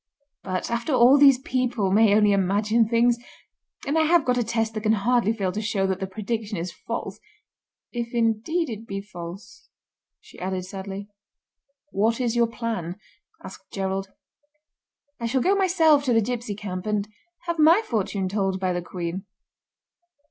But, after all these people may only imagine things, and I have got a test that can hardly fail to show that the prediction is false—if indeed it be false," she added sadly. "What is your plan?" asked Gerald. "I shall go myself to the gipsy camp, and have my fortune told by the Queen."